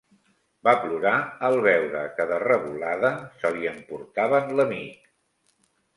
Va plorar al veure que de revolada se li emportaven l'amic